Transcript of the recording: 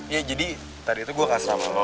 ya jadi tadi itu gue kasih nama lo